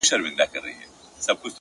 o دى خو بېله تانه كيسې نه كوي ـ